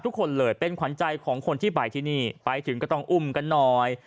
ทุกคนเลยเป็นขวัญใจของคนที่ไปที่นี่ไปถึงก็ต้องอุ้มกันหน่อย